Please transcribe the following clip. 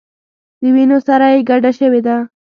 د وینو سره یې ګډه شوې ده.